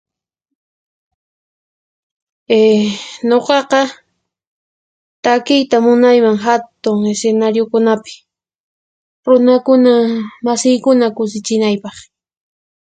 Eh Nuqaqa takiyta munayman hatun isinariyukunapi, runakuna masiykuna kusichinaypaq.